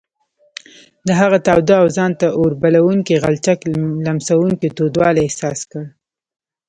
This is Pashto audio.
د هغه تاوده او ځان ته اوربلوونکي غلچک لمسوونکی تودوالی احساس کړ.